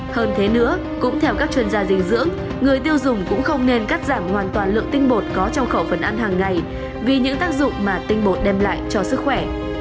hơn thế nữa cũng theo các chuyên gia dinh dưỡng người tiêu dùng cũng không nên cắt giảm hoàn toàn lượng tinh bột có trong khẩu phần ăn hàng ngày vì những tác dụng mà tinh bột đem lại cho sức khỏe